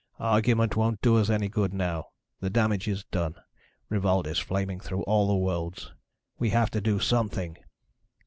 "Argument won't do us any good now. The damage is done. Revolt is flaming through all the worlds. We have to do something."